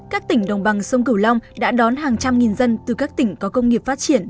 các tỉnh đồng bằng sông cửu long đã đón hàng trăm nghìn dân từ các tỉnh có công nghiệp phát triển